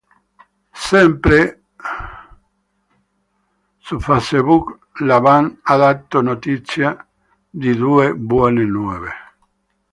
Sempre su Facebook la band ha dato notizia di due buone nuove.